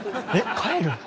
帰る？